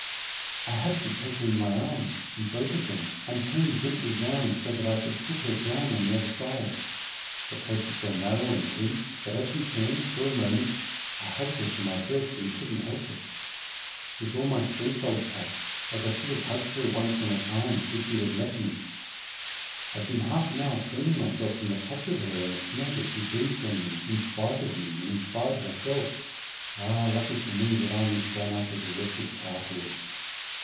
"I had to take her in my arms, in both of them, and turn gently round so that I could put her down on the other side. The place was so narrow and pinched that as we turned, for a moment, I hugged her to my breast and couldn't help it. With all my strength, old chap, as I should have hugged her once on a time if she'd have let me. "I've been half an hour cleaning myself from the touch of her and the smell that she breathed on me in spite of me and in spite of herself. Ah, lucky for me that I'm as done up as a wretched cart horse!"